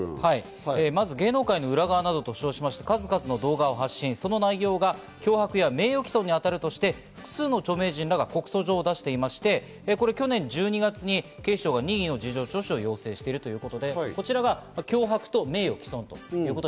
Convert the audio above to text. まず芸能界の裏側などと称して、数々の動画を発信、その内容が脅迫や名誉毀損に当たるとして、複数の著名人らが告訴状を出していまして、去年１２月に警視庁に任意の事情聴取を要請しているということでこちらです。